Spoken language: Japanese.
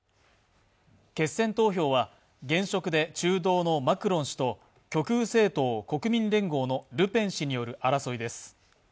決選投票は現職で中道のマクロン氏と極右政党・国民連合のルペン氏による争いです。